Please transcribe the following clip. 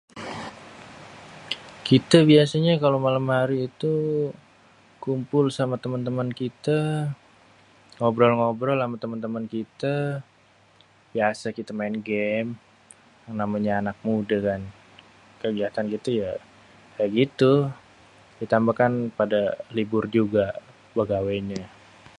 Kité biasanyé kalo malém hari itu kumpul sama témén-témén kité, ngobrol-ngobrol sama témén-témén kité. Biasa, kita main game, namanya anak mude kan. Kegiatan kité ya gitu, ditambah kan pada libur juga begawénya.